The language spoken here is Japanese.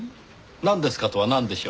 「なんですか？」とはなんでしょう？